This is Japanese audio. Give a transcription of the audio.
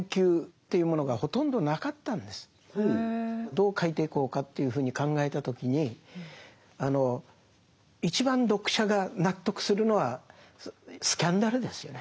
どう書いていこうかというふうに考えた時に一番読者が納得するのはスキャンダルですよね。